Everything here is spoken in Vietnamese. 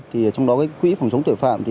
trong đó quỹ phòng chống tội phạm